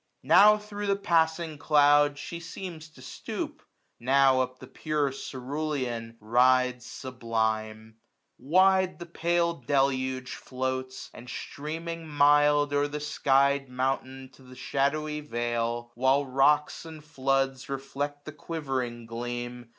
Now thro' the passing cloud she seems to stoop. Now up the pure cerulean rides sublime. 1095 Wide the pale deluge floats ; and streaming mild O'er the sky'd mountain to the shadowy vale. While rocks and floods reflect the quivering gleam.